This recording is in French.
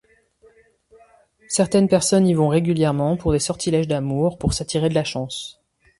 Certaines personnes y vont régulièrement pour des sortilèges d'amour, pour s'attirer de la chance.